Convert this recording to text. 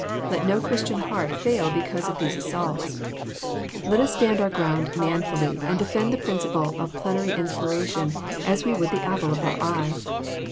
Let no Christian's heart fail because of these assaults. Let us stand our ground manfully, and defend the principle of plenary inspiration as we would the apple of our eye.